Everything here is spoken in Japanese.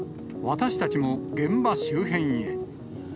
私たちも現場周辺へ。